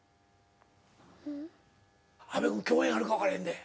阿部君共演あるかわからへんで。